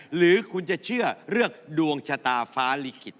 หรือคุณจะเชื่อเรื่องดวงชะตาฟ้าลิขิต